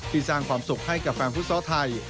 สร้างความสุขให้กับแฟนฟุตซอลไทย